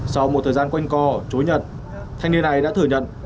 sau một thời gian quanh co chối nhận thanh niên này đã thừa nhận